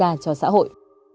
và cho xã hội